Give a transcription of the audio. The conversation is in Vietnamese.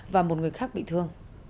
và một người khác bị thừa